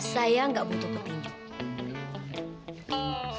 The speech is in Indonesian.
saya gak butuh petinjau